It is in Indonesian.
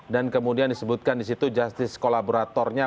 dan kemudian disebutkan di situ justice kolaboratornya